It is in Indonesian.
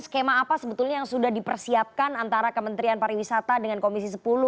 skema apa sebetulnya yang sudah dipersiapkan antara kementerian pariwisata dengan komisi sepuluh